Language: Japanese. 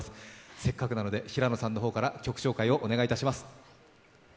せっかくなので平野さんの方から曲紹介をお願いします。